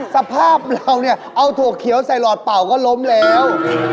สภาพเราเนี่ยเอาถั่วเขียวใส่หลอดเป่าก็ล้มแล้ว